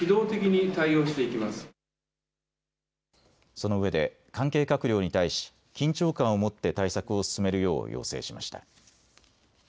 そのうえで関係閣僚に対し緊張感を持って対策を進めるよう要請しました。